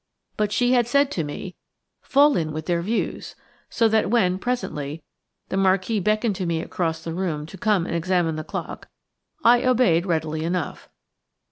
But she had said to me, "Fall in with their views," So that when, presently, the Marquis beckoned to me across the room to come and examine the clock, I obeyed readily enough.